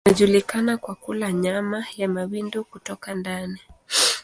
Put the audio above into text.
Wanajulikana kwa kula nyama ya mawindo kutoka ndani.